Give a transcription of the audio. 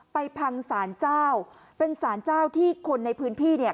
พังสารเจ้าเป็นสารเจ้าที่คนในพื้นที่เนี่ย